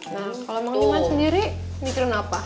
nah kalo mang diman sendiri mikirin apa